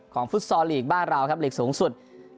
ของฟุตซอร์ลีกบ้านราวครับเล็กสูงสุด